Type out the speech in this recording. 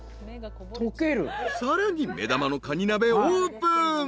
［さらに目玉のかに鍋オープン］